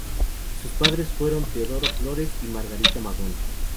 Sus padres fueron Teodoro Flores y Margarita Magón.